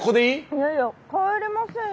いやいや帰れませんよ。